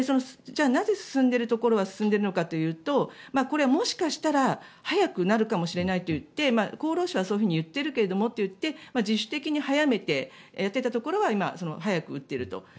じゃあ、なぜ進んでいるところは進んでいるのかというとこれ、もしかしたら早くなるかもしれないといって厚労省はそう言っているけどもっていって自主的に早めてやっていたところは今、早く打っていると。